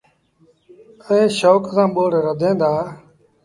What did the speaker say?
ائيٚݩ شوڪ سآݩ ٻوڙ رڌيٚن دآ۔